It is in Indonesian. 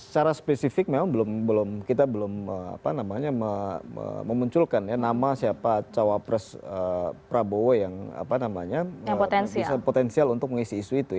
cara spesifik memang kita belum memunculkan nama siapa cawa pres prabowo yang potensial untuk mengisi isu itu